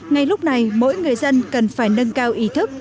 ngay lúc này mỗi người dân cần phải nâng cao ý thức